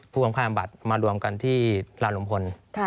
ผู้ค่ายอำบัดมารวมกันที่ราลงพล